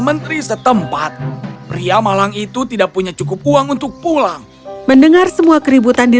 menteri setempat pria malang itu tidak punya cukup uang untuk pulang mendengar semua keributan di